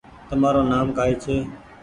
تمآرو نآم ڪآئي ڇي ۔